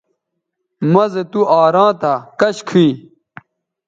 مہ زو تُوآراں تھا کش کھئ